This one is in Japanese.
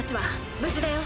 無事だよ。